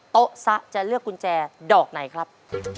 โต๊ะซะจะเลือกกุญแจดอกไหนครับ